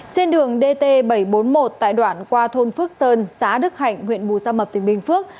trên đường dt bảy trăm bốn mươi một tại đoạn qua thôn phước sơn xã đức hạnh huyện bù gia mập tỉnh bình phước